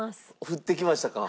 降ってきましたか？